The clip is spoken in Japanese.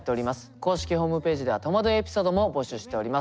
公式ホームページでは「とまどいエピソード」も募集しております。